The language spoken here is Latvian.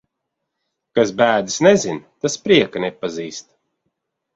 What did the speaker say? Kas bēdas nezina, tas prieka nepazīst.